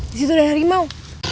disitu ada rimau